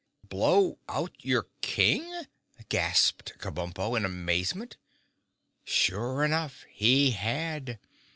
"Blow out your King?" gasped Kabumpo in amazement. Sure enough, he had.